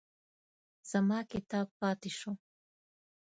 زما کتاب پاتې شو.